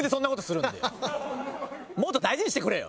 もっと大事にしてくれよ！